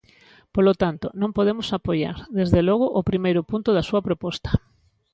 Polo tanto, non podemos apoiar, desde logo, o primeiro punto da súa proposta.